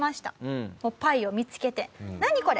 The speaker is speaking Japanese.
牌を見つけて「何？これ。